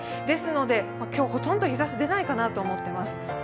ですので今日はほとんど日ざし出ないかなと思っています。